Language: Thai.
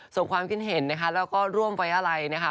ความคิดเห็นนะคะแล้วก็ร่วมไว้อะไรนะคะ